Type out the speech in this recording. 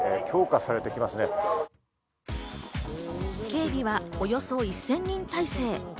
警備はおよそ１０００人態勢。